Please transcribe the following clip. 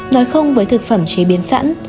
hai nói không với thực phẩm chế biến sẵn